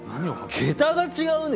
桁が違うね。